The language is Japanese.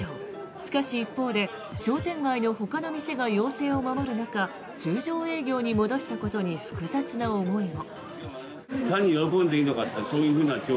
しかし、一方で商店街のほかの店が要請を守る中通常営業に戻したことに複雑な思いも。